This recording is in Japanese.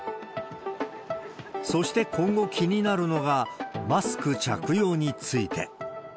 そして今後気になるのが、マスク着用について。